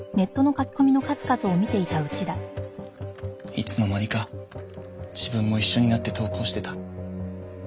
いつの間にか自分も一緒になって投稿してた。